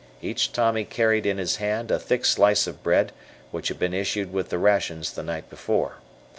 Each Tommy carried in his hand a thick slice of bread which had been issued with the rations the night before.